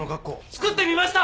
作ってみました！